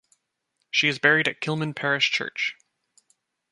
She is buried at Kilmun Parish Church.